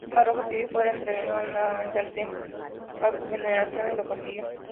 El Párroco pidió fuera entregado nuevamente al Templo, para veneración y lo consiguió.